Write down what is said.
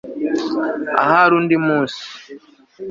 ahari undi munsi